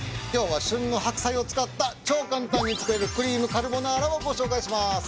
今日は旬の白菜を使った超簡単に作れるクリームカルボナーラをご紹介します。